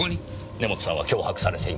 根元さんは脅迫されています。